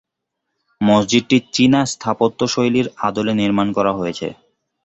মসজিদটি চীনা স্থাপত্য শৈলীর আদলে নির্মাণ করা হয়েছে।